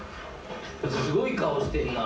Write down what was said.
すごい顔してんな。